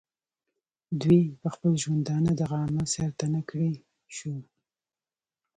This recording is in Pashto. دوي پۀ خپل ژوندانۀ دغه عمل سر ته نۀ کړے شو